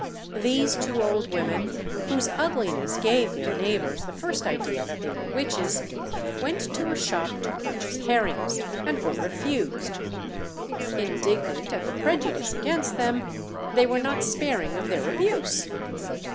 These two old women, whose ugliness gave their neighbours the first idea that they were witches, went to a shop to purchase herrings, and were refused. Indignant at the prejudice against them, they were not sparing of their abuse.